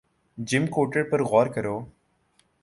جم کورٹر پر غور کرو